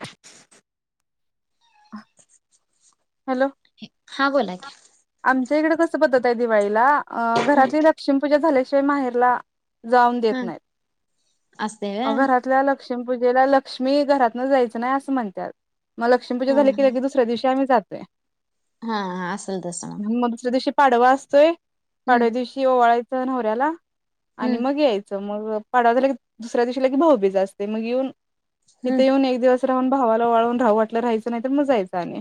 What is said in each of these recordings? ह ह हॅलो, हा बोला. की आमच्या इकडे कसं पद्धत आहे दिवाळीला,, अ, घरातली लक्ष्मी पूजा झाल्याशिवाय माहेरला जाऊन देत हम्म नाही,, असते त व्हय घरातल्या लक्स लक्ष्मी पूजेला लक्ष्मी घरातन जायचं नाही असं म्हणतात,, मग लक्ष्मीपूजा झाली की हा लगेच दुसऱ्या दुसऱ्या दिवशी आम्ही जातोय. हा हा असल तस. मग दुसऱ्या दिवशी पाडवा असतोय हम्म पाडव्या दिवशी ओवाळायचं नवऱ्याला, आणि हम्म मग यायचं मग पाडवा झाला की दुसऱ्या दिवशी लगेच भाऊबीज असते मग येऊन हम्म तिथे येऊन एक दिवस राहून भावाला ओवाळून राहू वाटलं राहायचं नाही तर मग जायचं आणि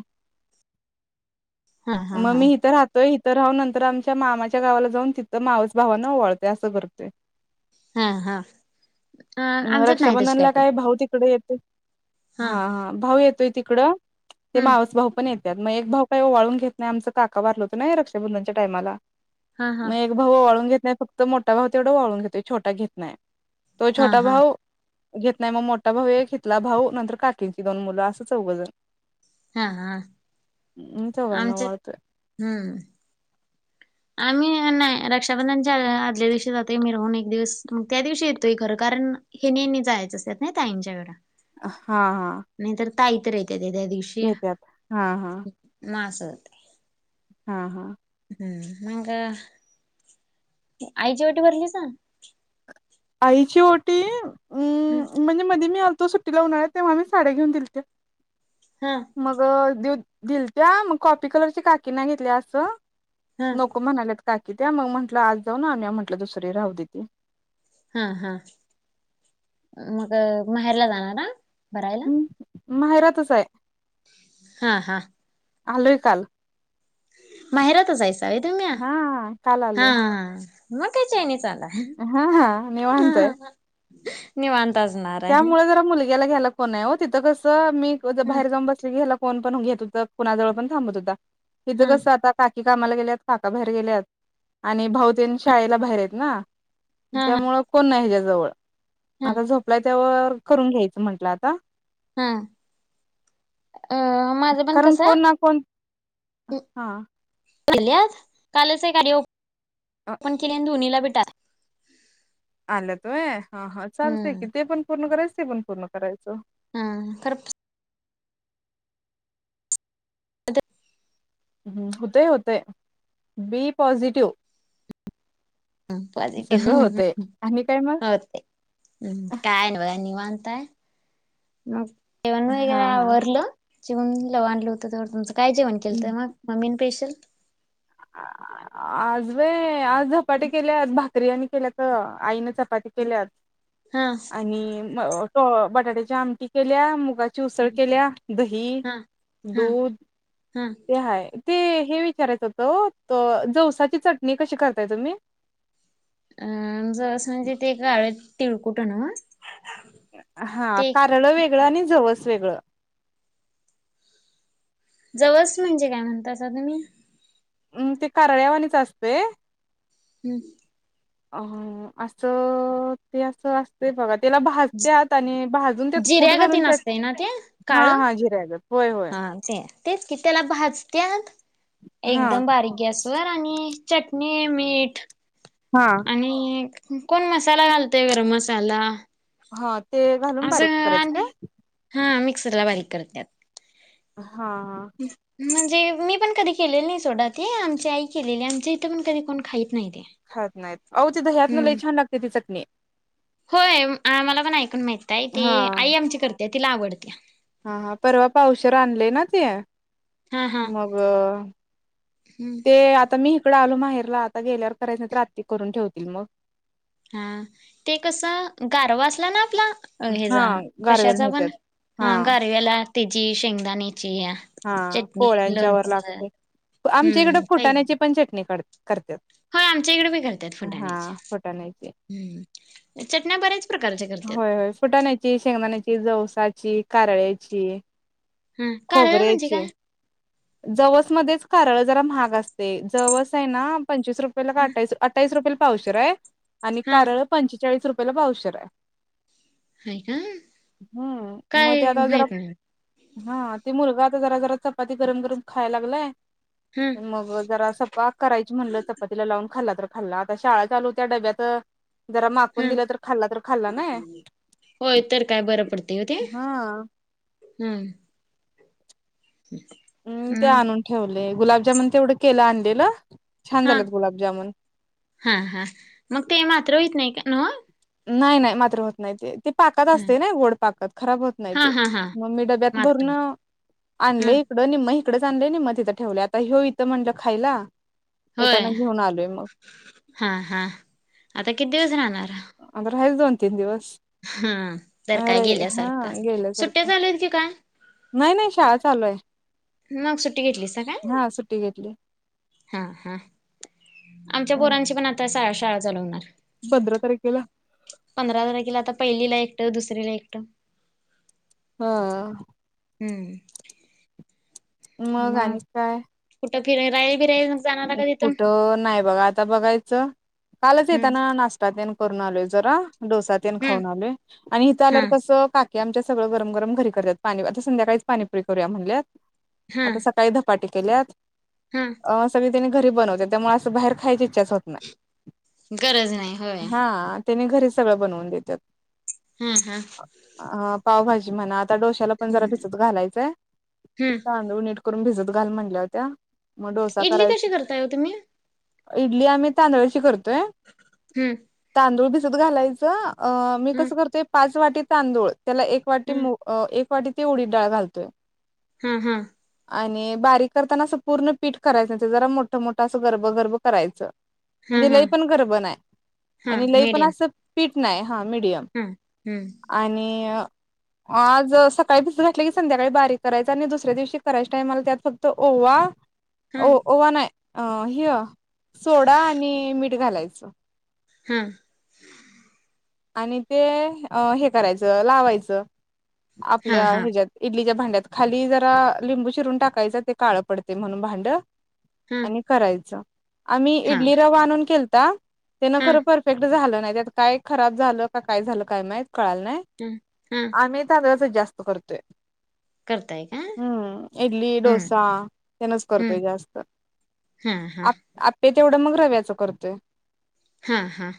हा हा मग हा मी इथं राहत त इथं राहून नंतर आमच्या मामाच्या गावाला जाऊन तिथं मावस भावानांओळते असं करत. हा हा हा मग आमच्यात नाही तशी रक्षाबंधनला काय पद्धत भाऊ तिकडे येतो. हा हा भाऊ येतोय तिकडं ते हम्म मावस भाऊ पण येतात मग एक भाऊ काय ओवळून घेत नाही आमचं काका वारलं होतं नाही रक्षाबंधनच्या टायमाला. हा हा. मग एक भाऊ ओवाळून घेत नाही फक्त मोठा भाऊ तेवढ ओवाळून घेतोय छोटा घेत नाही तो हा छोटा हा भाव घेत नाही मग मोठा भाऊ हितला भाऊ नंतर काकींची दोन मुलं असं चौघजण. हा हा. हम. आमच्यात हम्म. आम्ही नाही रक्षाबंधनच्या आदल्या दिवशी जातोय मिरहून एक दिवस मग त्या दिवशी येतोय खरं कारण हे नी अन जायचं असेत ना ताईंच्या कड हा हा. नाही तर ताई तर येत ते त्या दिवशी येत्यात हा हा. म आस होतय. हा हा. हम्म मंग. आईची ओटी भरलीसा. आईची ओटी हा अं म्हणजे मध्ये मी आलतो सुट्टी ला उन्हाळ्यात तेव्हा मी साड्या घेऊन दिल त्या. हा. मग दिऊ, दिलत्या मग कॉपी कलरची काकी न घेतल्या असं हा नको म्हणाल्यात काकी त्या, मग म्हटलं आज जाऊन अनुया म्हटलं दुसरी राहू दे ती. हा हा, मग माहेरला जाणार हा भरायला? माहेरातच ये. हा हा. आलोय काल. माहेरातचयसावे तुम्ही्या? हा काल हा आलोय. मग काय चैनीच आता. हा हा निवांतय. निवांत असना. त्यामुळे जरा मुलग्याला घ्यायला कोण नाही हो तिथं कसं, मी हा बाहेर जाऊन बसली की ह्याला कोण पण घेत होत, कुणाजवळ पण थांबत होता. इथं हा कस आता काकी कामाला गेल्यात, काका बाहेर गेल्यात आणि भाऊतेन शाळेला बाहेर आहेत ना हा हा त्याच्यामुळं कोण नाय ह्याच्या जवळ, हा आता झोप वर करून घ्यायचं म्हंटलं आता. हा अ माझं पण कारण कसं कोण ना कोण [unintelligible] हा कालच कार [unintelligible] पण केले दोनाहीला भेटा आल्यात व्हय, हा हा चालतय की हम्म ते पण पूर्ण करायचं, ते पण पूर्ण करायचं. हम खरप [unintelligible] हम, होतेय होतेय, बी पॉझिटिव्ह हम पॉसिटीव्ह सगळं होतंय आणि काय मग होते. हम् काय ना व निवांतय, मग जेवण वगैर हा हा आवरलं. जेवण लव आणलं होतं, तेव तुमचं काय जेवण केलंत मग मम्मी स्पेशल? आ आज व आज धपाट्या केल्यात भाकरी यांनी केल्या तर आईनं चपात्या केल्यात हा आणि बटाट्या आमटी केल्या, मुगा ची उसळ केल्या, दही, हा हा दूध हा ते हाय. ते हे विचारायच होतं ओ, जवसाची चटणी कशी करताय तुम्ही? अम जवस म्हणजे ते काळे तिळकुट ना? हा कारळ वेगळं आणि जवस वेगळं. जवस म्हणजे काय म्हणतासा तुम्ही? ते कारळ्यावानीच असतय. हम्म. अं असं ते असं अस ते बघा त्याला भाजत्यात आणि भाजून त्यात कूट घालून, जिऱ्यागतीन त्यात असतय ना ते काळ हा हा ज त्या होय हो. हा तेच कि त्याला हा एकदम बारीक गॅस वरण आणी चटणी, मीठ हां. आणि कोण मसाला घालतोय, गरम मसाला? हां. असं आणि हा मिक्सरला बारीक करत्यात. हां. म्हणजे मी पण कधी केलेलं नाही सोडा ते, आमची आई केलेल्या, आमच्या इथं पण कधी कोण खाईत नाही ते. खात नाहीत, अहो ते दह्यातन हम्म लई छान लागते ती चटणी. होय आय मला पण ऐकून माहित आहे हा ती, आई आमची करते तिला आवडते. हा हा परवा पावशर आणले ना ते हा हा मग हम्म. ते आता मी इकडें आलो माहेरला, आता गेल्यावर करायचं तर आत्ती करून ठेवतील मग. हा ते कसं गार असला ना आपला अ हे हा जा गारव्याला कशाचा नेत्यात. पण हा गारव्याला तेजी शेंगदाणे चीया हा चटणी पोळ्यांच्या वर लोणच लागते. आमच्या इकडं फुटाण्याची पण चटणी करत्यात हा आमच्या इकडे बी करत्यात हा फुटाण्याची फुटाण्याची. हम्म चटण्या बऱ्याच प्रकारच्या करत्यात होय होय फुटाण्याची शेंगदाण्याची जवसाची कारळाची हा कारळ म्हणजे खोबऱ्याची काय जवस मध्येच कारळ जरा महाग असतयं जवस आहे ना पंचवीस रुपयेला का वाटायचं अठ्ठावीस रुपयेला पावशेर आहे आणि हा कारळ पंचेचाळीस रुपयेला पावशेर आहे हा आहे का हम्म मग ते काय आता जरा माहित नाही हा ते मुलगा आता जरा जरा चपाती गरम गरम खायला लागलाय हा मग जरा बा करायची म्हणलं चपातीला लावून खाल्ला तर खाल्ला आता शाळा चालू होत्या डब्यात जरा माकून हा दिला तर खाल्ला तर खाल्ला नई होय तर काय बरं पडते हो ते हा हम्म [inaudible] हम्म ते मग आणून ठेवलंय गुलाबजामुन तेवढं केलं आणलेलं छान हा झालंत गुलाबजामुन हा हा मग ते मात्र हुईत नाही का ओ नाही नाही मात्र होत नाही ते ते पाकत असतय न्हाई गोड पाकत खराब होत नाही हा ते हा हा मग मी डब्यात मात्र भरून होत. हा आणलंय इकडं निम्म मग इकडंच आणलंय निम्म तिथं ठेवलय आता ह्यो इथं म्हणल खायला होय येताना घेऊन आलोय मग हा हा आता किती दिवस राहणार आता राहायचं दोन तीन दिवस हा तर काय अरे हा गेल्यासारखं सुट्ट्या गेल्यासारखं चालू आहेत की काय नाही नाही शाळा चालू आहे मग सुट्टी घेतलीसा काय हा सुट्टी घेतली हा हा आमच्या हं, पोरांची पण आता शाळा चालू होणार पंधरा तारखेला पंधरा तारखेला आता पहिलीला एकटं दुसरीला एकटं हा हम्म मग आणि काय कुठं फिरायला बिरायला जाणारा का तिथून कुठं नाही बघा आता बघायचं कालच येत हम्म ना नाष ष्टा तेन करून आलोय जरा डोसा तेन हम्म खाऊन आलोय आणि इथं हा आल्यावर कसं कि आमच्या सगळं गरम गरम घरी करत्यात पाणी आता संध्याकाळीच पाणीपुरी करूया म्हणल्यात आता सका ळी धपाटघ केल्यात हम्म अ सगळी त्यांनी घरी बनवत्यात त्यामुळे असं बाहेर खायची इच्छाच होत नाही गरज नाही होय हा त्यांनी घरी सगळं बनवून देत्यात हम्म हम्म अ पावभाजी म्हणा आता डोश्याला पण जरा भिजत घालायचं हम्म तांदूळ नीट करून भिजत घाल म्हटल्या होत्या मग डोसा इडली कशी करायचा करताय ओ तुम्ही इडली आम्ही तांदळची करतोय हम्म तांदूळ भिजत घालायचं अ मी हम्म कसं करतोय पाच वाटी तांदूळ त्याला एक वाटी हम्म मूग अ एक वाटी ती उडीद डाळ घालतोय हम्म हम्म आणि बारीक करताना अस पूर्ण पीठ करायचं ते जरा मोठ मोठं असं गर्बगर्ब करायचं. हा म्हणजे हा लई पण गरब नाही हा आणि लई पण असं पीठ नाही हा मीडियम हम्म हम्म आणि आज सकाळी भिसत घातला की संध्याकाळी बारीक करायच आणि दुसऱ्या दिवशी करायच्या टायमाला त्यात फक्त ओवा हा ओ ओवा नाय ह्य सोडा आणि मीठ घालायचं हम आणि ते हे करायचं लावायचं हा आपल्या हा हेज्यात इडलीच्या भांड्यात खाली जरा लिंबू चिरून टाकायचं ते काळं पडतय म्हणून भांड हा आणि करायचं आम्ही हा इडली रवा आणूनन केलता ते ना हा खरं परफेक्ट झालं नाही त्यात काय खराब झालं का काय झालं काय माहीत कळालं नाय हम् आम्ही तांदळाचच जास्त करतोय करताय काय हम्म इडली डोसा त्यांनच करतोय हम्म जास्त हा हा आप अप्पे तेवढं मग रव्याचं करतोय हा हा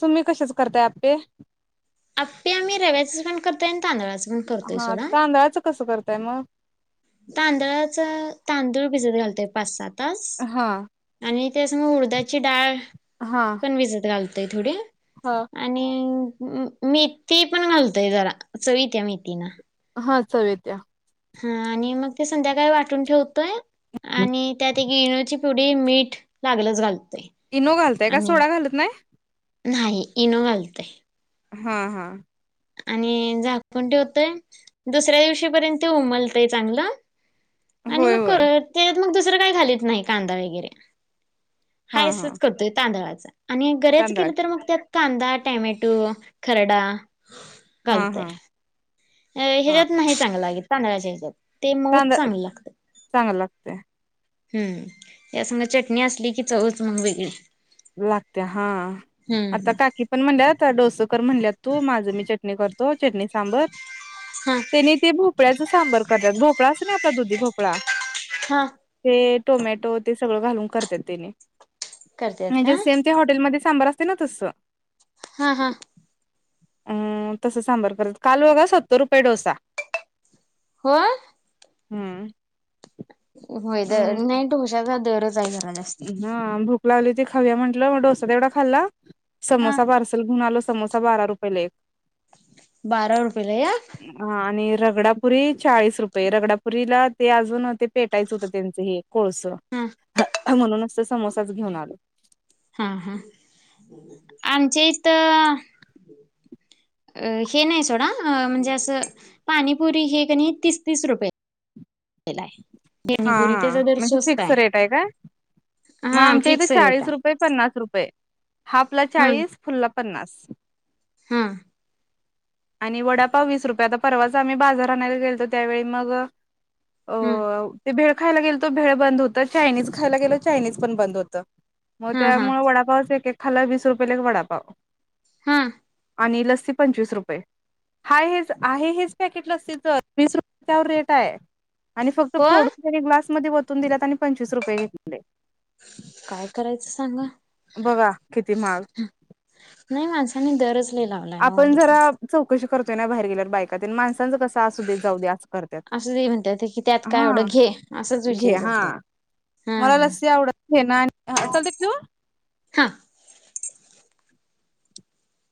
तुम्ही कशाच करताय आप्पे आपे आम्ही रव्याच पण करतोय तांदळा हा तांदळाचं कसं करताय मग तांदळाचा तांदूळ भिजत घालतय पाच सात तास हा आणि त्यास म उडदाची डाळ हा पण विजत घलतोय थोडी हा आणि मेथी पण घालतोय जरा चवीत या मेथीना हा चवत्या हा आणि मग ते संध्याकाळी वाटून ठेवतोय आणि त्यात ते इनो ची पूडी मीठ लागलच घालतय इनो घालतय का सोडा घालत नाही नाही इनो घालतय हा हा आणि झाकण ठवतय दुसऱ्या दिवशीपर्यंत ते उमलतंय चांगलं आणि होय मग ख होय त्याच्यात मग दुसरं काही खालीत नाही कांदा वगैरे हा हा हायसच करतोय तांदळाचा आणि गरेच केलं तांदळाच तर मग त्या कांदा टमॅटो खरडा हा हा अ हा ह्यात नाही चांगलं लागेल तांदळा्याच्या ह्याच्या्यात ते म ऊ तांदळ चांगलं लागत चांगलं लागतय हम्म या सग चटणी असली की चवच मग वेगळी लागत हा आता हम्म काकी पण म्हणल्यात डोसकर म्हणल्यात तू माझं मी चटणी करतो चटणी सांबर हा त्यानी ते भोपळ्याच सांबर करतात भोपळा अस नाही आपला दुधी भोपळा हा ते टोमॅटो ते सगळं घालून करत त्याने करतेत का म्हणजे सेम ते हॉटेलमध्ये सांबर असते ना तस हा हा अ तसं सांबर करत काल बघा सत्तर रुपये डोसा हो हम् होय तर नाही डोशाचा दरच आहे ना... हा भूक लावली ती खाऊया म्हंटलं डोसा तेवढा खाल्ला.... हा समोसा पार्सल घेऊन आलो समोसा बारा रुपयेला एक... बारा रुपयेला एक... हा आणि रगडापुरी चाळीस रुपये रगडापुरीला ते अजून ते पेटायचं होतं त्यांचं हे... कोळस... हम्म... म्हणून असं समोसाच घेऊन आलो... हा हा आमच्या इथ... हे नाही सोडा म्हणजे असं पाणीपुरी हे कणी तीस तीस रुपये.... ला आहे हा पाणीपुरी त्याचा हा दर म्हणजे स्वस्त फिक्स रेट आहे काय? मग हा आमच्या इथे फिक्स रेट चाळीस आहे रुपये पन्नास रुपये हाफ ला चाळीस फुल ला पन्नास.... हां.... आणि वडापाव वीस रुपये आता परवाच आम्ही बाजार आणायला गेलतो त्यावेळी मग... ह [inaudible] हम्म... ते भेळ खायला गेलतो भेळ बंद होत चायनीज खायला गेलो चायनीज पण बंद होत... मग हा हा त्यामुळ वडापावच एक खाला वीस रुपयेला एक वडापाव... हा... आणि लस्सी पंचवीस रुपये... हाय हेच आहे हेच पॅकेट लस्सीच तर वीस रुपय त्यावर रेट आहे... आणि फक्त हो फोडून जरी ग्लासमध्ये वतून दिल्या त्यां आणि पंचवीस रुपये घेतले... काय करायचं सांगा? बघा किती महाग.... नाही माणसानी दरज... आपण जरा चौकशी करतोय ना बाहेर गेल्यावर बायकात माणसांच कस... हा अस दे जाऊ दे अस करत असं ते म्हणतात की त्यात काय एवढं हा घे असाच घे विषय हा.... करतात हा मला लस्सी आवडत ना आणि चलते पू... हा....